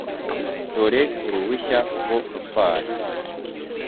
Dore uruhushya rwo gutwara .